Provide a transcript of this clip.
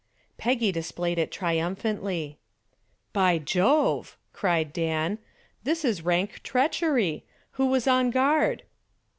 Peggy displayed it triumphantly. "By Jove," cried Dan. "This is rank treachery. Who was on guard?"